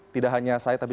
tidak hanya saya